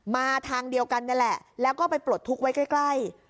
มาทางเดียวกันนี่แหละแล้วก็ไปปลดทุกข์ไว้ใกล้